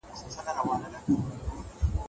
سبب ګرځي. د بشر د قربانیو په اړه مو له